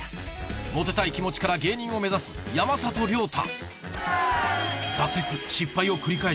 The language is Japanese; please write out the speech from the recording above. モテたい気持ちから芸人を目指す山里亮太